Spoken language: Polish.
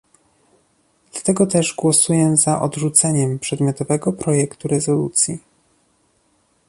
Dlatego też głosuję za odrzuceniem przedmiotowego projektu rezolucji